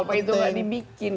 kenapa itu nggak dibikin